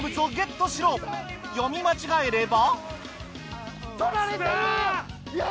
読み間違えれば。